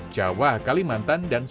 jawa kalimantan dan jawa